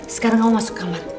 sekarang kamu masuk kamar